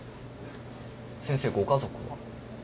先生ご家族は？